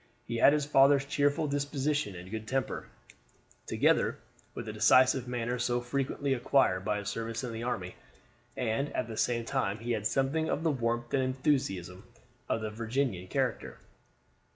He had his father's cheerful disposition and good temper, together with the decisive manner so frequently acquired by a service in the army, and at the same time he had something of the warmth and enthusiasm of the Virginian character.